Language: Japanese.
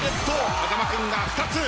風間君が２つ。